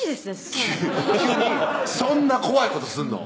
君そんな怖いことすんの？